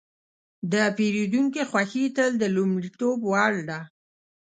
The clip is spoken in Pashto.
د پیرودونکي خوښي تل د لومړیتوب وړ ده.